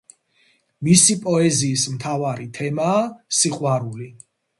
მისი პოეზიის მთავარი თემაა სიყვარული.